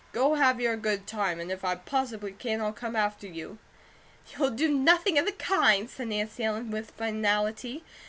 Go have your good time, and if I possibly can, I'll come after you." "You'll do nothing of the kind," said Nancy Ellen, with finality.